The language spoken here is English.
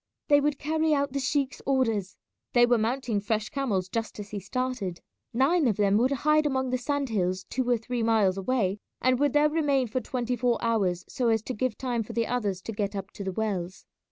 They would carry out the sheik's orders. They were mounting fresh camels just as he started. Nine of them would hide among the sand hills two or three miles away, and would there remain for twenty four hours so as to give time for the others to get up to the wells.